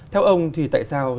theo ông thì tại sao